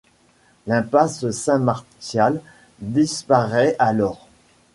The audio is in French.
L'impasse Saint-Martial disparait alors.